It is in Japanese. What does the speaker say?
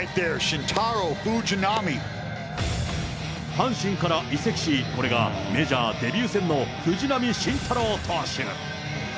阪神から移籍し、これがメジャーデビュー戦の藤浪晋太郎投手。